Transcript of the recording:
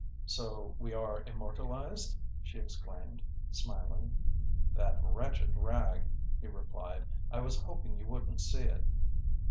"So we are immortalised!" she exclaimed, smiling. "That wretched rag!" he replied. "I was hoping you wouldn't see it."